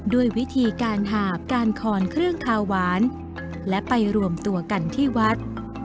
ด้วยวิธีการหาบการคอนเครื่องคาหวานและไปรวมตัวกันที่วัด